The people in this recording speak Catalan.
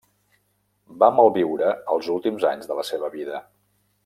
Va malviure els últims anys de la seva vida.